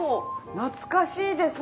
懐かしいですね。